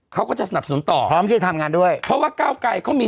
เขาก็จะสนับสนุนต่อพร้อมที่จะทำงานด้วยเพราะว่าก้าวไกรเขามี